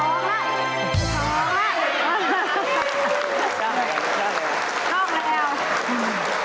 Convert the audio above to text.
ชอบแล้ว